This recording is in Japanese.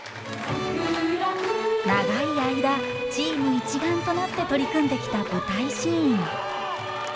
長い間チーム一丸となって取り組んできた舞台シーン。